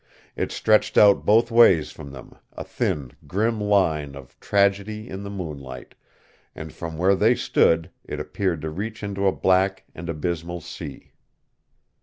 It stretched out both ways from them, a thin, grim line of tragedy in the moonlight, and from where they stood it appeared to reach into a black and abysmal sea.